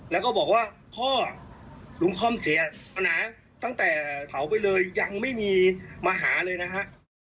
แล้วก็บอกว่าพ่อลุงค่อมเสียปัญหาตั้งแต่เผาไปเลยยังไม่มีมาหาเลยนะฮะ